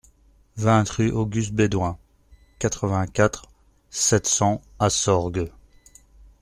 vingt rue Auguste Bédoin, quatre-vingt-quatre, sept cents à Sorgues